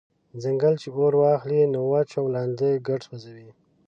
« ځنګل چی اور واخلی نو وچ او لانده ګډ سوځوي»